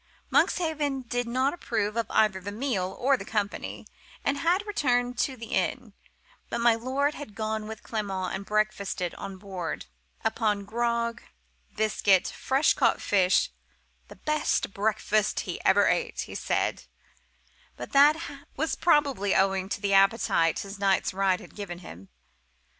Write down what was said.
Monkshaven did not approve of either the meal or the company, and had returned to the inn, but my lord had gone with Clement and breakfasted on board, upon grog, biscuit, fresh caught fish—'the best breakfast he ever ate,' he said, but that was probably owing to the appetite his night's ride had given him.